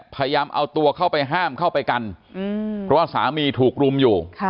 พยายามเอาตัวเข้าไปห้ามเข้าไปกันเพราะว่าสามีถูกรุมอยู่